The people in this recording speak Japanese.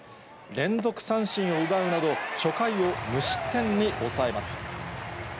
連続三振を奪うなど、奪うなど、初回を無失点に抑えます。